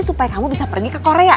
supaya kamu bisa pergi ke korea